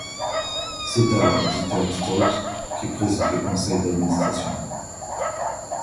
C'est alors Dieter Stolte qui préside le conseil d'administration.